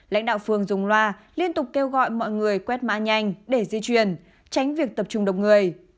lãnh đạo phường dùng loa liên tục kêu gọi mọi người quét mã nhanh để di chuyển tránh việc tập trung đông người